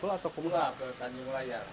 atau ke tanjung layar